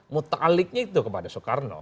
mutaliknya itu kepada soekarno